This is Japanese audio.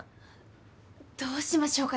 どうしましょうか？